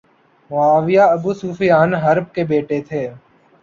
معاویہ ابوسفیان بن حرب کے بیٹے تھے